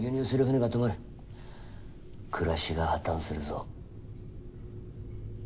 暮らしが破綻するぞ。